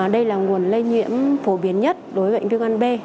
đây là nguồn lây nhiễm phổ biến nhất đối với bệnh viêm gan b